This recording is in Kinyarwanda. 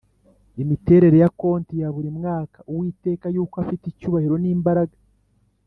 imiterere ya konti ya buri mwaka Uwiteka yuko afite icyubahiro n imbaraga